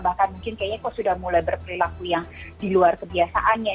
bahkan mungkin kayaknya kok sudah mulai berperilaku yang di luar kebiasaannya